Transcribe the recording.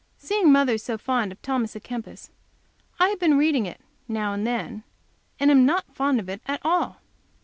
Seeing mother so fond of Thomas A Kempis, I have been reading it, now and then, and am not fond of it at all.